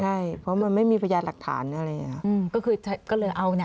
ใช่เพราะมันไม่มีพยานหลักฐานอะไรอย่างเงี้ยอืมก็คือก็เลยเอาเนี้ย